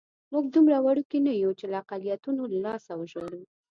موږ دومره وړوکي نه یو چې له اقلیتونو لاسه وژاړو.